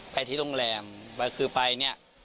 ไปที่โรงแรมคือไปนี่